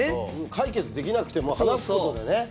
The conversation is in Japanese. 解決できなくても話すことがね。